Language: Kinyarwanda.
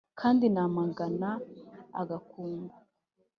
kandi namagana agakungu.